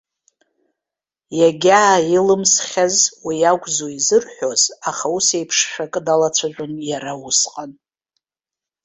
Иагьааилымсхьаз, уи акәзу изырҳәоз, аха ус еиԥшшәа акы далацәажәон иара усҟан.